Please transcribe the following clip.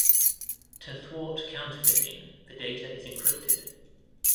To thwart counterfeiting, the data is encrypted.